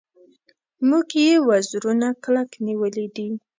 موږ یې وزرونه کلک نیولي دي.